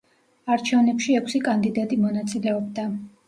არჩვენებში ექვსი კანდიდატი მონაწილეობდა.